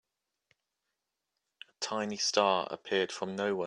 A tiny star appeared from nowhere.